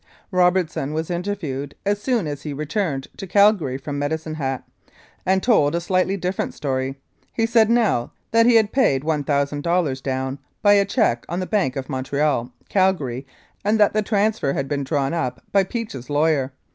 Robertson was interviewed as soon as he returned to Calgary from Medicine Hat, and told a slightly dif ferent story; he said now that he had paid $1,000 down by a cheque on the Bank of Montreal, Calgary, and that the transfer had been drawn up by Peach's lawyer.